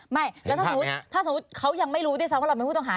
ไม่แล้วถ้าสมมุติเขายังไม่รู้ด้วยซะว่าเราเป็นผู้ต้องหา